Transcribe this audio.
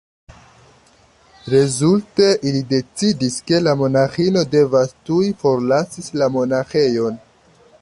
Rezulte ili decidis, ke la monaĥino devas tuj forlasi la monaĥejon.